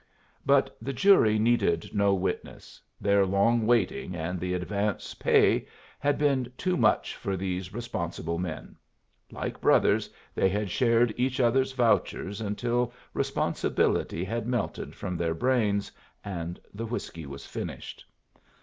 But the jury needed no witness. Their long waiting and the advance pay had been too much for these responsible men. Like brothers they had shared each others' vouchers until responsibility had melted from their brains and the whiskey was finished.